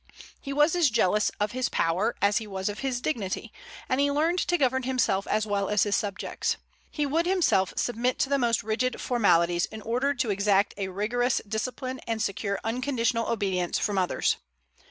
He was as jealous of his power as he was of his dignity, and he learned to govern himself as well as his subjects. He would himself submit to the most rigid formalities in order to exact a rigorous discipline and secure unconditional obedience from others.